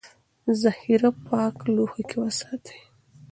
ذخیره پاک لوښي کې وساتئ.